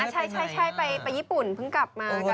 ใช่ไปญี่ปุ่นเพิ่งกลับมากัน